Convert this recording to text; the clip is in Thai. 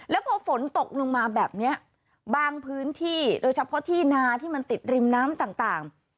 แล้วพอฝนตกลงมาแบบนี้บางพื้นที่โดยเฉพาะที่นาที่มันติดริมน้ำต่าง